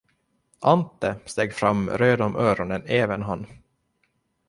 Ante steg fram röd om öronen även han.